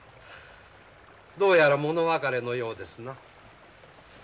どうやら物別れのようですな。